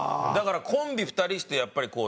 だからコンビ２人してやっぱり